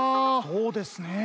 そうですねえ。